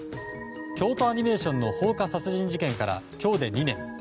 京都アニメーションの放火殺人事件から今日で２年。